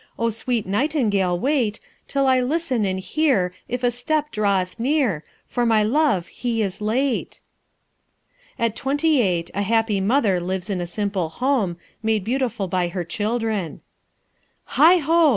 O sweet nightingale wait Till I listen and hear If a step draweth near, For my love he is late!" At twenty eight, the happy mother lives in a simple home, made beautiful by her children: "Heigho!